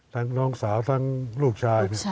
น้องสาวทั้งลูกชาย